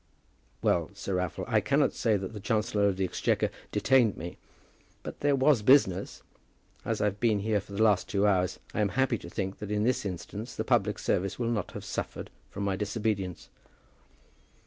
"Well, Sir Raffle, I cannot say that the Chancellor of the Exchequer detained me; but there was business. As I've been here for the last two hours, I am happy to think that in this instance the public service will not have suffered from my disobedience."